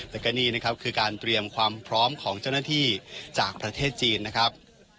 แต่ก็นี่นะครับคือการเตรียมความพร้อมของเจ้าหน้าที่จากประเทศจีนนะครับ